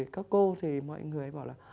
các cô thì mọi người bảo là